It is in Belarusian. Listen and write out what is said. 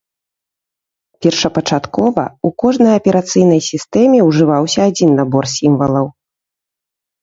Першапачаткова ў кожнай аперацыйнай сістэме ўжываўся адзін набор сімвалаў.